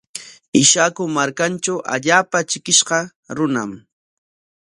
Ishaku markantraw allaapa trikishqa runam.